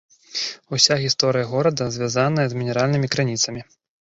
Уся гісторыя горада звязаная з мінеральнымі крыніцамі.